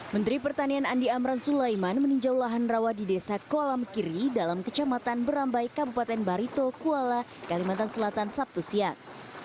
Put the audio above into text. menteri pertanian andi amran sulaiman meninjau lahan rawa di desa kolam kiri dalam kecamatan beramai kabupaten barito kuala kalimantan selatan sabtu siang